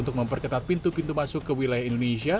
untuk memperketat pintu pintu masuk ke wilayah indonesia